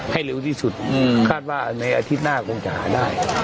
ให้เร็วที่สุดอืมคาดว่าอันนี้อาทิตย์หน้ากลมจะหาได้